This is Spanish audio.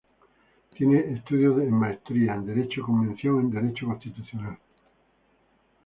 Tiene estudios de Maestría en Derecho con mención en Derecho Constitucional.